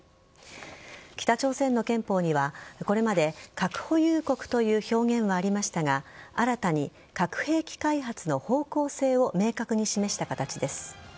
北朝鮮の憲法には、これまで核保有国という表現はありましたが新たに核兵器開発の方向性を明確に示した形です。